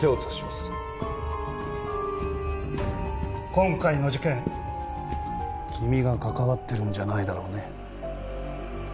今回の事件君が関わってるんじゃないだろうね？